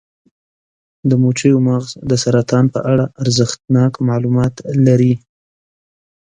د مچیو مغز د سرطان په اړه ارزښتناک معلومات لري.